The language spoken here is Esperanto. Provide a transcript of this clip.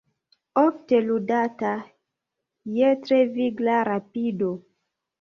Ofte ludata je tre vigla rapido.